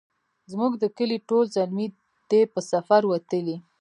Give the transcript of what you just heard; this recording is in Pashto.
زموږ د کلې ټول زلمي دی په سفر وتلي